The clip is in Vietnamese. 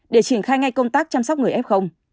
để triển khai ngay công tác chăm sóc người f